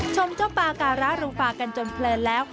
ชมเจ้าปาการะรูปากันจนเพลินแล้ว